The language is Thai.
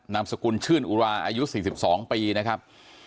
นามสกุลชื่นอุราอายุ๔๒ปีนะครับ